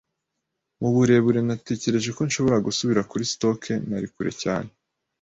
Muburebure natekereje ko nshobora gusubira kuri stock. Nari kure cyane